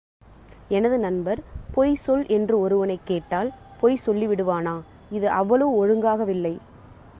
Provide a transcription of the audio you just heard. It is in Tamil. எனது நண்பர், பொய்சொல் என்று ஒருவனைக் கேட்டால் பொய் சொல்லிவிடுவானா? இது அவ்வளவு ஒழுங்காகவில்லை.